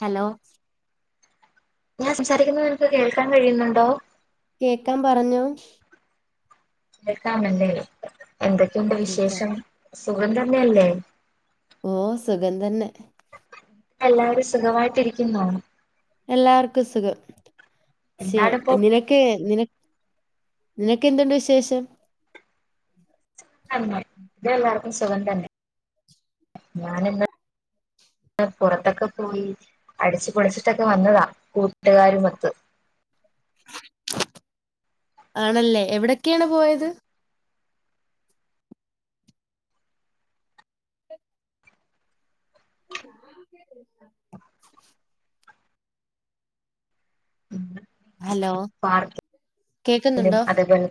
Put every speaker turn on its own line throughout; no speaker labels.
Hello
ഞാൻ സംസാരിക്കുന്നത് നിനക്ക് കേൾക്കാൻ കഴിയുന്നുണ്ടോ
കേൾക്കാം പറഞ്ഞോ
കേക്കമല്ലെ എന്തൊക്കെയുണ്ട്
കേക്ക
വിശേഷം സുഖം തന്നെയല്ലേ
ഓ സുഖം തന്നെ
എല്ലാവരും സുഖമായിട്ടിരിക്കുന്നോ
എല്ലാവർക്കും സുഖം ശേ
എന്താണ് ഇപ്പോ
നീ നക് ക്കെ നിന നിനക്ക എന്തുണ്ട് വിശേഷം
ഇവിടെ എല്ലാവർക്കും സുഖം തന്നെ ഞാനന്ന് പുറത്തൊക്കെ പോയി അടിച്ചു പൊളിച്ചിട്ടൊക്കെ വന്നതാ കൂട്ടുകാരുമൊത്ത്
ആണല്ലേ എവിടെക്കെയാണ് പോയത് [inaudible] ഹലോ
പാർക്കിൽ
കേക്കുന്നുണ്ടോ
അതപോലെ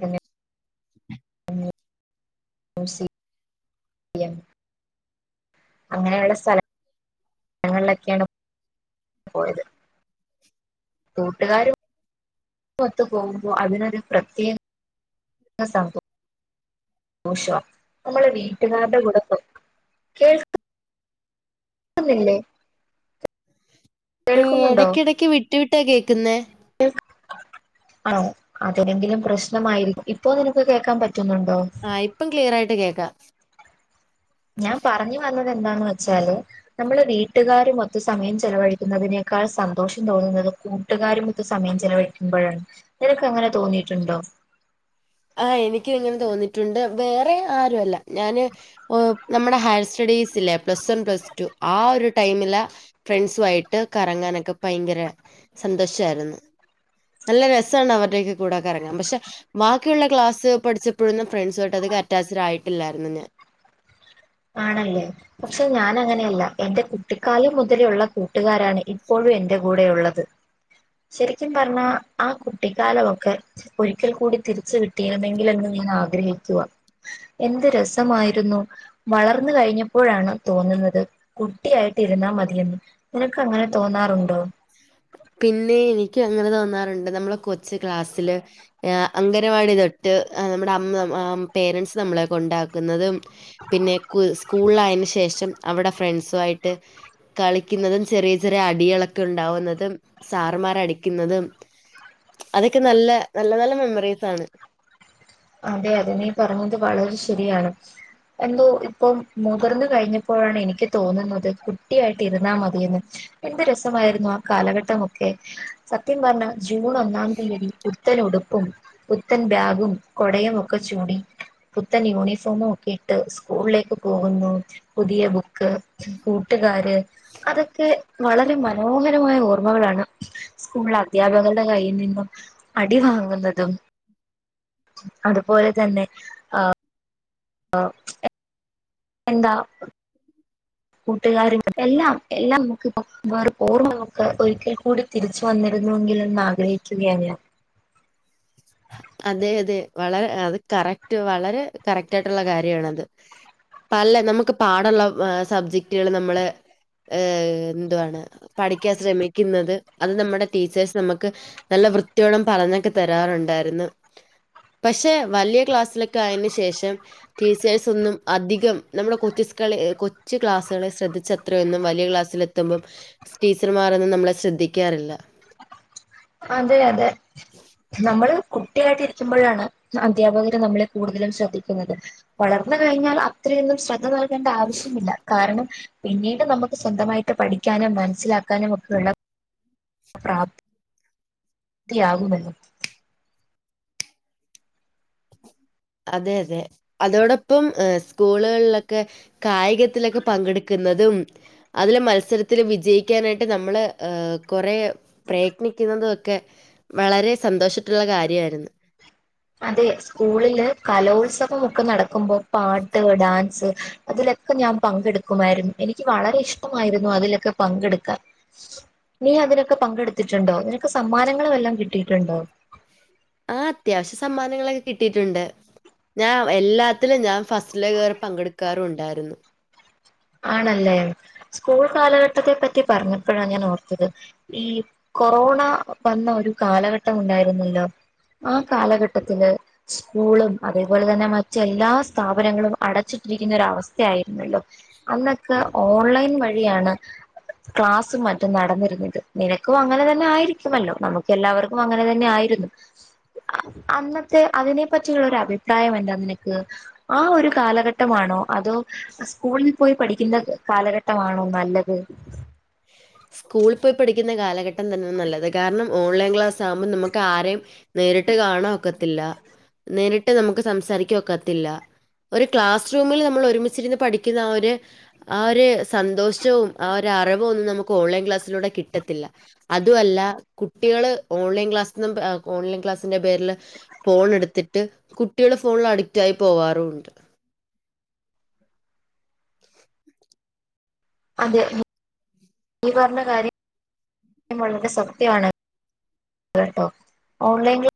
മ്യൂസിയം അങ്ങനെയുള്ള സ്ഥല ങ്ങളിലൊക്കെയാണ് പോയത് കൂട്ടുകാരും ഒത്തക് പോകുമ്പോ അതിന് ഒരു പ്രത്യേക ര [unintelligible] സന്തോഷം നമ്മള് വീട്ടുകാരുടെ കൂടെ [unintelligible] കേക്കുന്നില്ലെ
ഏ
കേൾക്കുന്നുണ്ടോ
ഇടയ്ക്കിടക്ക് വിട്ടു വിട്ടാ കേക്കുന്നേ
ആ അതെങ്കിലും പ്രശ്നമായിരിക്കും ഇപ്പോ നിനക്ക് കേക്കാൻ പറ്റുന്നുണ്ടോ
ആ ഇപ്പം ക്ലിയറാ യിട്ട് കേക്കാം
ഞാൻ പറഞ്ഞു വന്നത് എന്താന്ന് വെച്ചാല് നമ്മള് വീട്ടുകാർ മൊത്ത സമയം ചെലവഴിക്കുന്നതിനേക്കാൾ സന്തോഷം തോന്നുന്നത് കൂട്ടുകാരമൊത് സമയം ചിലവഴിക്കുമ്പോഴാണ് നിനക്ക് അങ്ങനെ തോന്നിയിട്ടുണ്ടോ
ആഹ എനീക്ക് ഇങ്ങനെ തോന്നിയിട്ടുണ്ട് വേറെ ആരുല്ല ഞാന് നമ്മുടെ ഹയർ സ്റ്റഡീസ് ഇല്ലേ പ്ലസ് വൺ പ്ലസ് ടു ആ ഒരു ടൈമില് ഫ്രണ്ട്സു ആയിട്ട് കറങ്ങാനൊക്കെ ഭയങ്കര സന്തോഷായിരുന്നു. നല്ല രസാണ് അവരുടെയൊക്കെ കൂടെ കറങ്ങാൻ പക്ഷെ വാ ക്കെയുള്ള ക്ലാസ്സ്‌ പഠിച്ചപ്പോഴൊന്നും ഫ്രണ്ട്സുയിട്ട് അതികം അറ്റാച്ച്ഡ് ആയിട്ടില്ലായിരുന്നു ഞാൻ.
ആണല്ലേ പക്ഷെ ഞാൻ അങ്ങനെയല്ല എന്റെ കുട്ടിക്കാലം മുതലേഉള്ള കൂട്ടുകാരാണ് ഇപ്പോഴും എന്റെ കൂടെ ഉള്ളത്. ശരിക്കും പറഞ്ഞാ ആ കുട്ടി കാലവൊക്കെ ഒരിക്കൽ കൂടി തിരിച്ച് കിട്ടിയിരുന്നെങ്കിൽ എന്ന് ഞാൻ ആഗ്രഹിക്കുവാ. എന്ത് രസമായിരുന്നു. വളർന്നു കഴിഞ്ഞപ്പോഴാണ് തോന്നുന്നത് കുട്ടിയായിട്ട് ഇരുന്നാൽ മതിയെന്ന്. നിനക്ക് അങ്ങനെ തോന്നാറുണ്ടോ.
പിന്നെ എനിക്ക് അങ്ങനെ തോന്നാറുണ്ട് നമ്മള് കൊച്ച് ക്ലാസ്സില് ഏഹ് അംഗനവാടി തൊട്ട് ഏഹ് നമ്മുടെ അമ്മ പേരൻസ് നമ്മളെ കൊണ്ടാക്കുന്നതും പിന്നെ കു സ്കൂളിലായന് ശേഷം അവിടെ ഫ്രണ്ട്സു ആയിട്ട് കളിക്കുന്നതും ചെറിയ ചെറിയ അടിയളൊക്കെ ഉണ്ടാവുന്നതും തും സാറമാര് അടിക്കുന്നതും അതൊക്കെ നല്ല നല്ല നല്ല മെമ്മറീസാണ്.
അതെ അതെ നീ പറഞ്ഞത് വളരെ ശരിയാണ്. എന്തോ ഇപ്പം മുതിർന്ന് കഴിഞ്ഞപ്പോഴാണ് എനിക്ക് തോന്നുന്നത് കുട്ടിയായിട്ട് ഇരുന്നാ മതിയെന്ന്. എന്ത് രസമായിരുന്നു ആ കാലഘട്ടംമൊക്കെ സത്യം പറഞ്ഞ ജൂൺ ഒന്നാം തീയതി പുത്തൻ ഉടുപ്പും പുത്തൻ ബാഗും കൊടയും ഒക്കെ ചൂടി പുത്തൻ യൂണിഫോമും ഒക്കെ ഇട്ട് സ്കൂളിലേക്ക് പോകുന്നു. പുതിയ ബുക്ക് കൂട്ടുക്കാര് അതൊക്കെ വളരെ മനോഹരമായ ഓർമ്മകളാണ്. സ്കൂളില് അദ്ധ്യാപകരുടെ കയ്യിൽ നിന്നും അടി വാങ്ങുന്നതും അതുപോലെതന്നെ ആഹ് എന്താ കൂട്ടുകാര് എല്ലാം എല്ലാം നമുക്ക്‌ ഇപ്പൊ വെറും ഓർമ്മകളക്കെ ഒരിക്കൽ കൂടി തിരിച്ചു വന്നിരുന്നുവെങ്കിൽ എന്നാ ആഗ്രഹിക്കുകയാണ്
അതെ അതെ വളരെ അത് കറക്റ്റ് വളരെ കറക്റ്റായിട്ടുള്ള കാര്യണത്. പല നമുക്ക് പാടള്ള സബ്ജക്ടുകൾ നമ്മള് ഏഹ് എന്തുവാണ് പഠിക്കാൻ ശ്രമിക്കുന്നത് അത് നമ്മുടെ ടീച്ചേഴ്സ് നമക്ക് നല്ല വൃത്തിയോളം പറഞ്ഞൊക്കെ തരാറുണ്ടായിരുന്നു. പക്ഷെ വലിയ ക്ലാസ്സിലൊക്കെ ആയന് ശേഷം ടീച്ചേഴ്സ് ഒന്നും അധികം നമ്മുടെ കൊച്ചിസ്കളി കൊച്ച് ക്ലാസ്സുകളെ ശ്രദ്ധിച്ചത്രയൊന്നും വലിയ ക്ലാസില് ലത്തുമ്പം ടീച്ചർമാർന്നും നമ്മളെ ശ്രദ്ധിക്കാറില്ല.
അതെ അതെ നമ്മള് കുട്ടിയായിട്ട് ഇരിക്കുമ്പോഴാണ് അധ്യാപകര് നമ്മളെ കൂടുതലും ശ്രദ്ധിക്കുന്നത്. വളർന്ന് കഴിഞ്ഞാൽ അത്രയൊന്നും ശ്രദ്ധ ന ൽകേണ്ട, ആവശ്യമില്ല കാരണം പിന്നീട് നമുക്ക് സ്വന്തമായിട്ട് പഠിക്കാനും മനസ്സിലാക്കാനും ഒക്കെ ഉള്ള പ്രാപ് ത്തിയാക്കുമല്ലോ
അതെ അതെ അതോടൊപ്പം ഏ സ്കൂളുകളിലൊക്കെ കായികത്തിലൊക്കെ പങ്കെടുക്കുന്നതും അതില് മത്സരത്തില് വിജയിക്കാനായിട്ട് നമ്മള് ഏഹ് കൊറെ പ്രയത്നിക്കുന്നതും ഒക്കെ വളരെ സന്തോഷിച്ചിട്ടുള്ള കാര്യായിരുന്നു.
അതെ സ്കൂളില് കലോത്സവം ഒക്കെ നടക്കുമ്പോ പാട്ട് ഡാൻസ് അതിലൊക്കെ ഞാൻ പങ്കെടുക്കുമായിരുന്നു എനിക്ക് വളരെ ഇഷ്ടമായിരുന്നു അതിലൊക്കെ പങ്കെടുക്കാൻ നീ അതിനൊക്കെ പങ്കെടുത്തിട്ടുണ്ടോ നിനക്ക് സമ്മാനങ്ങള് വല്ലോം കിട്ടിയിട്ടുണ്ടോ
ആഹ് അത്യാവശ്യ സമ്മാനങ്ങളൊക്കെ കിട്ടിയിട്ടുണ്ട് ഞാൻ എല്ലാത്തിലും ഞാൻ ഫസ്റ്റിലേ കയറി പങ്കെടുക്കാറും ഉണ്ടായിരുന്നു.
ആണല്ലേ സ്കൂൾ കാലഘട്ടത്തെ പറ്റി പറഞ്ഞപ്പോഴാ ഞാൻ ഓർത്തത്‌ ഈ കൊറോണ വന്ന ഒരു കാലഘട്ടം ഉണ്ടായിരുന്നല്ലോ ആ കാലഘട്ടത്തില് സ്കൂളും അതേപോലെ തന്നെ മടറ്റ് എല്ലാ സ്ഥാപനങ്ങളും അടച്ചിട്ടിരിക്കുന്ന അടച്ചിട്ടിരിക്കുന്നോരാവസ്ഥയിരുന്നല്ലോ അന്നൊക്കെ ഓൺലൈൻ വഴിയാണ് ക്ലാസ്സും മറ്റും നടന്നിരുന്നത് നിനക്കും അങ്ങനെ തന്നെ ആയിരിക്കുമല്ലോ നമുക്ക് ക്കല്ലാവർക്കും അങ്ങനെ തന്നെ ആയിരുന്നു അന്നത്തെ അതിനെ പറ്റിയുള്ള ഒരു അഭിപ്രായം എന്താ നിനക്ക് ആ ഒരു കാലഘട്ടമാണോ അതോ സ്കൂൾ പോയി പഠിക്കുന്ന കാലഘട്ടമാണോ നല്ലത് [inaudible]
സ്കൂളിൽ പോയി പഠിക്കുന്ന കാലഘട്ടം തന്നെയ നല്ലത്, കാരണം ഓൺലൈൻ ക്ലാസ് ആകുമ്പോൾ നമുക്ക് ആരെയും നേരിട്ട് കാണൻ ഒക്കത്തില്ല നേരിട്ട് നമുക്ക് സംസാരിക്ക ഒക്കത്തില്ല ഒരു ക്ലാസ് റൂമിൽ നമ്മൾ ഒരുമിച്ചിരുന്ന് പഠിക്കുന്ന ആ ഒര് ആ ഒരു സന്തോഷവും ആ ഒരു അറിവും ഒന്നും നമുക്ക് ഓൺലൈൻ ക്ലാസ്സിലൂടെ കിട്ടത്തില്ല അതുവല്ല കുട്ടികള് ഓൺലൈൻ ക്ലാസ് എന്ന് ഏ ഓൺലൈൻ ക്ലാസ്സിന്റെ പേരില് ഫോൺ എടുത്തിട്ട് കുട്ടികള് ഫോണിൽ അഡിക്റ്റ് ആയി പോവാറുണ്ട്
അതെ ഈ പറഞ്ഞ കാര്യം വളരെ സത്യമാണ് കേട്ടോ ഓൺ ലൈൻ ക്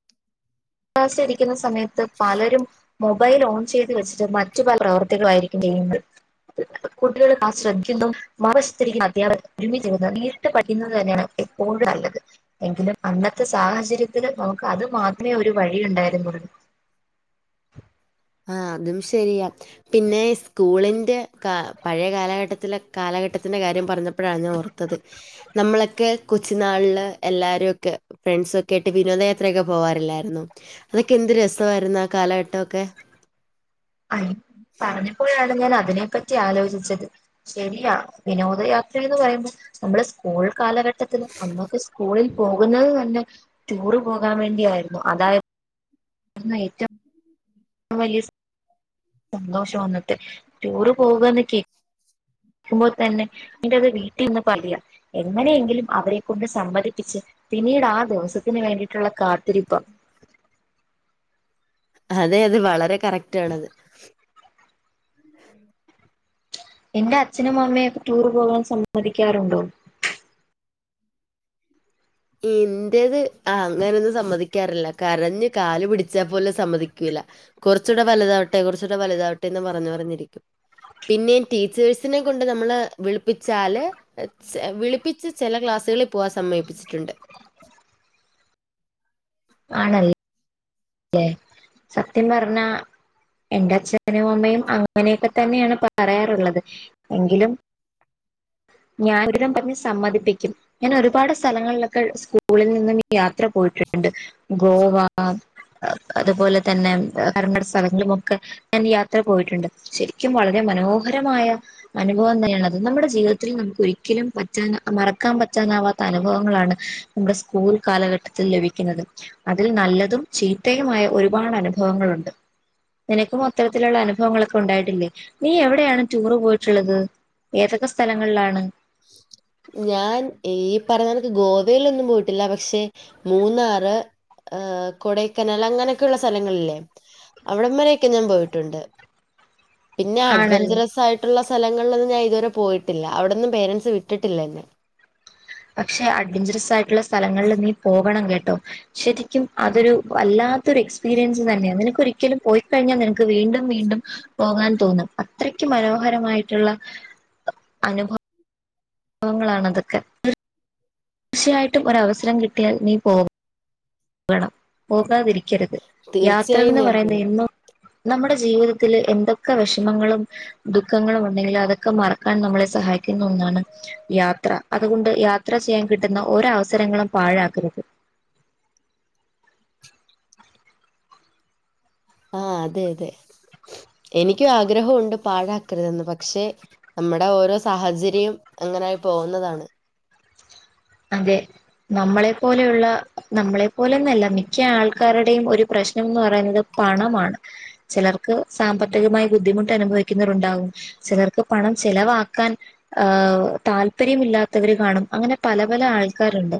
ളാസിരിക്കുന്ന സമയത്ത് പലരും മൊബൈൽ ഓൺ ചെയ്തു വെച്ചിട്ട് മറ്റു പല പ്രവർത്തികളായിരിക്കും ചെയ്യുന്നത് കുട്ടികള് ആ ശ്രദ്ധിക്കുന്നു മറുവശത്ത് ഇരുന്ന് അധ്യാപകര് ഒരുമിച്ചിരുന്നു നേരിട്ട് പഠിക്കുന്നത് തന്നെയാണ് എപ്പോഴും നല്ലത് എങ്കിലും അന്നത്തെ സാഹചര്യത്തില് നമുക്ക് അത് മാത്രമേ ഒരു വഴി ഉണ്ടായിരുന്നുുള്ളൂ
ആ അതും ശരിയാ പിന്നെ സ്കൂളിൻ്റെ ക പഴയ കാലഘട്ടത്തില കാലഘട്ടത്തി ത്തിന്റെ കാര്യം പറഞ്ഞപ്പോഴാണ് ഞാൻ ഓർത്തത് നമ്മളൊക്കെ കൊച്ചും നാളില് എല്ലാവാരും ഒക്കെ ഫ്രണ്ട്സ ഒക്കെ ആയിട്ട് വിനോദയാത്രൊക്കെ പോവാറില്ലായിരുന്നു അതൊക്കെ എന്ത് രസമായിരുന്നു ആ കാലഘട്ടംക്കെ
അ പറഞ്ഞപ്പോഴാണ് ഞാൻ അതിനെപ്പ റ്റി ആലോചിച്ചത് ശരിയാ വിനോദയാത്രയന്ന് പറയുമ്പോൾ നമ്മള് സ്കൂൾ കാലഘട്ട ട്ടത്തിൽ അന്നൊക്കെ സ്കൂളിൽ പോകുന്നത് തന്നെ ടൂറ് പോകാൻ വേണ്ടിയായിരുന്നു അതായിരുന്നു ഏറ്റവും വലിയ സന്തോഷം അന്നിട്ട് ടൂറ് പോവുകന്ന് കേ ക്കുമ്പോൾ തന്നെ നിട്ടത് വീട്ടിൽന്ന് പറയാ എങ്ങനെയെങ്കിലും അവരെ കൊൊണ്ട് സമ്മതിപ്പിച്ച് പിന്നീട് ആ ദിവസത്തിന് വേണ്ടിയിട്ടുള്ള കാത്തിരിപ്പ
അതെ അതെ വളരെ കറക്റ്റ് ആണത്
എന്റെ അച്ഛനും അമ്മയെ ടൂർ പോകാൻ സമ്മതിക്കാറുണ്ടോ
എന്റേത് അ അങ്ങനെയൊന്നും സമ്മതിക്കാറില്ല കരഞ്ഞഞ് കാല് പിടിച്ചാൽ പോലും സമ്മതിക്കൂല്ല കുറച്ചൂടെ വലുതാവട്ടെ കുറച്ചൂടെ വലുതാവട്ടെന്ന് പറഞ്ഞു പറഞ്ഞിരിക്കും പിന്നേം ടീച്ചേഴ്സിനെ കൊണ്ട് നമ്മള് വിളിപ്പിച്ചാല് വിളിപ്പിച്ച് ചില ക്ലാസ്സുകളിൽ പോകൻ സമ്മതിപ്പിച്ചിട്ടുണ്ട്
ആണല്ലേ ലെ സത്യം പറഞ്ഞ എന്റെ അച്ഛനും അമ്മയും അങ്ങനെയൊക്കെ തന്നെയാണ് പറയാറുള്ളത് എങ്കിലും ഞാൻ ഒരിതം പറഞ്ഞ് സമ്മതിപ്പിക്കും ഞാന് ഒരുപാട് സ്ഥലങ്ങളിലൊക്കെ സ്കൂളിൽ നിന്നും ഈ യാത്ര പോയിട്ടുണ്ട് ഗോവ അ അതുപോലെ തന്നെ ഒരുപാട് സ്ഥലങ്ങളുമൊക്കെ ഞാൻ യാത്ര പോയിട്ടുണ്ട് ശരിക്കും വളരെ മനോഹരമായ അനുഭവം തന്നെയാണ് അത് നമ്മുടെ ജീവിതത്തിൽ നമുക്ക് ഒരിക്കലും പറ്റാന മറക്കാൻ പറ്റാനാവാത്ത അനുഭവങ്ങളാണ് നമ്മുടെ സ്കൂൾ കാലഘട്ടത്തിൽ ലഭിക്കുന്നുന്നത് അതിൽ നല്ലതും ചീത്തയുമായ ഒരുപാട് അനുഭവങ്ങളുണ്ട് നിനക്കും അത്തരത്തിലുള്ള അനുഭവങ്ങളൊക്കെ ഉണ്ടായിട്ടില്ലേ നീ എവിടെയാണ് ടൂറ് പോയിട്ടുള്ളത് ഏതൊക്കെ സ്ഥലങ്ങളിലാണ്
ഞാൻ ഈ പറഞ്ഞ കണക്ക് ഗോവെലൊന്നും പോയിട്ടില്ല പക്ഷെ മൂന്നാറ് ഏ കൊടൈക്കനൽ അങ്ങനെയൊക്കെയ ഉള്ള സ്ഥലങ്ങളില്ലേ അവിടം വരൊക്കെ ഞാൻ പോയിട്ടുണ്ട് പിന്നെ
ആണല്ലേ
അഡ്വെഞ്ചറസ് ആയിട്ടുള്ള സ്ഥലങ്ങളിലൊന്നും ഞാൻ ഇതുവരെ പോയിട്ടില്ല അവിടന്നും പേരൻറ്സ് വിട്ടിട്ടില്ല എന്നെ
പക്ഷെ അഡ്വെഞ്ചറസ് ആയിട്ടുള്ള സ്ഥലങ്ങളിൽ നീ പോകണം കേട്ടോ ശരിക്കും അതൊരു വല്ലാത്തൊരു എക്സ്പീരിയൻസ് തന്നെയ നിനക്കൊരി ഒരിക്കലു പോയിക്കഴിഞ്ഞാൽ നിനക്ക് വീണ്ടും വീണ്ടും പോകാൻ തോന്നും അത്രക്ക് മനോഹരമായിട്ടുള്ള അനുഭ വങ്ങളാണ് അതൊക്കെ തീർച്ചയായിട്ടും ഒരു അവസരം കിട്ടിയാൽ നീ പോ കണം പോകാതിരിക്കരുത്
തീർച്ചയായും
യാത്രന്ന്
ഞാൻ
പറയുന്ന
പോവും.
എന്നും നമ്മുടെ ജീവിതത്തില് എന്തൊക്കെ വെഷമങ്ങളും ദുഃഖങ്ങളും ഉണ്ടെങ്കിലും അതൊക്കെ മറക്കാൻ നമ്മളെ സഹായിക്കുന്ന ഒന്നാണ് യാത്ര. അതുകൊണ്ട് യാത്ര ചെയ്യാൻ കിട്ടുന്ന ഒരവസരങ്ങളും പാഴാക്കരുത്.
ആഹ് അതെ അതെ, എനിക്കും ആഗ്രഹമുണ്ട് പാഴാക്കരുതെന്ന് പക്ഷെ നമ്മുടെ ഓരോ സാഹചര്യം അങ്ങനെയായി പോകുന്നതാണ്.
അതെ. നമ്മളെപ്പോലെയുള്ള നമ്മളെപ്പോലേന്നല്ല മിക്ക ആൾക്കാരുടെയും ഒരു പ്രശ്നംന്ന് പറയുന്നത് പണമാണ്. ചിലർക്ക് സാമ്പത്തികമായി ബുദ്ധിമുട്ടനുഭവിക്കുന്നവരുണ്ടാവും ചെലർക്ക് പണം ചെലവാക്കാൻ അഹ് താല്പര്യമില്ലാത്തവര് കാണും. അങ്ങനെ പലെ പലെ ആൾക്കാരുണ്ട്.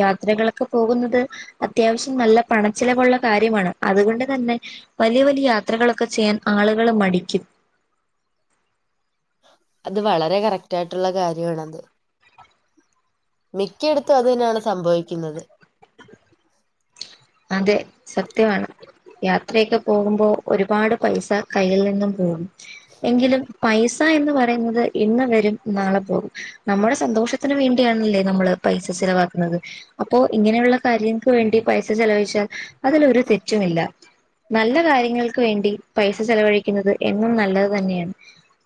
യാത്രകളൊക്കെ പോകുന്നത് അത്യാവിശ്യം നല്ല പണച്ചിലവുള്ള കാര്യമാണ്. അതുകൊണ്ട് തന്നെ വല്യ വല്യ യാത്രകളൊക്കെ ചെയ്യാൻ ആളുകള് മടിക്കും.
അത് വളരെ കറക്ട്ടാറ്റായിട്ടുള്ള കാര്യാണത്. മിക്കയിടുത്തും അതുതന്നെയാണ് സംഭവിക്കുന്നത്.
അതെ സത്യമാണ്. യാത്രയൊക്കെ പോകുമ്പോ ഒരുപാട് പൈസ കയ്യിൽ നിന്നും പോകും എങ്കിലും പൈസ എന്ന് പറയുന്നത് ഇന്ന് വരും നാളെ പോകും. നമ്മുടെ സന്തോഷത്തിന് വേണ്ടിയാണല്ലേ നമ്മള് പൈസ ചിലവാക്കുന്നത്. അപ്പോ ഇങ്ങനെയുള്ള കാര്യങ്ങക്ക് വേണ്ടി പൈസ ചെലവയിച്ചാൽ അതിലൊരു തെറ്റുമില്ല. നല്ല കാര്യങ്ങൾക്ക് വേണ്ടി പൈസ ചെലവഴിക്കുന്നത് എന്നും നല്ലത് തന്നെയാണ്.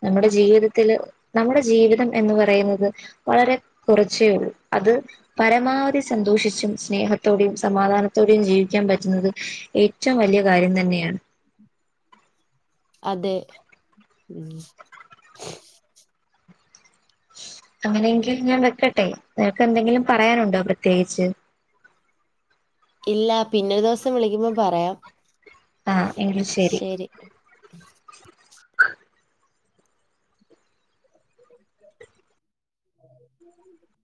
നമ്മുടെ ജീവിതത്തില് നമ്മുടെ ജീവിതം എന്ന് പറയുന്നത് വളരെ കുറച്ചേ ഒള്ളൂ അത് പരമാവധി സന്തോഷിച്ചും സ്നേഹത്തോടെയും സമാധാന ത്തോടെയും ജീവിക്കാൻ പറ്റുന്നത് ഏറ്റവും വല്യയ കാര്യം തന്നെയാണ്.
അതെ. ഹ്മ്മ്
അങ്ങനെയെങ്കിൽ ഞാൻ വെക്കട്ടെ നിനക്കെന്തെങ്കിലും പറയാനുണ്ടോ പ്രത്യേകിച്ച്
ഇല്ല പിന്നൊരു ദിവസം വിളിക്കുമ്പോൾ പറയാം.
ആഹ് എങ്കിൽ ശെരി
ശെരി. [inaudible]